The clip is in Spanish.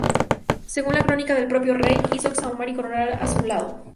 Según la crónica del propio rey, hizo exhumar y coronar a su lado.